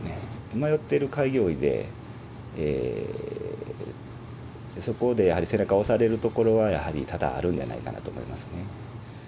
迷ってる開業医で、そこでやはり背中を押されるところは、やはり多々あるんじゃないかなと思いますね。